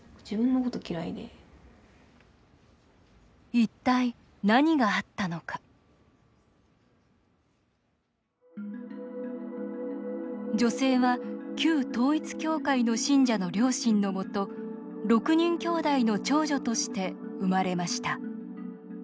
一体、何があったのか女性は旧統一教会の信者の両親のもと６人きょうだいの長女として生まれました。